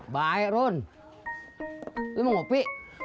baik ron lu mau kopi